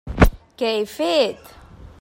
Què he fet?